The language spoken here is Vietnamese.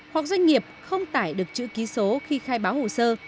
hoặc doanh nghiệp không tải được chữ ký số khi khai báo hồ sơ